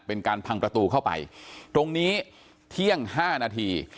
เป็นการพังประตูเข้าไปตรงนี้เที่ยงห้านาที